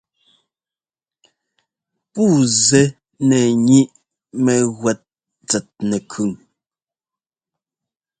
Puu zɛ́ nɛ ŋíʼ mɛ́gúɛ́t tsɛt nɛkʉn.